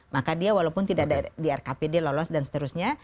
maka dia walaupun tidak di rkpd lolos dan seterusnya